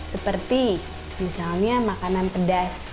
seperti misalnya makanan pedas